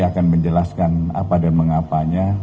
akan menjelaskan apa dan mengapanya